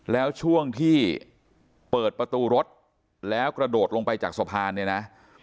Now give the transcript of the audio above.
แล้วช่วงที่เปิดประตูรถแล้วกระโดดลงไปจากสะพานเนี่ยนะ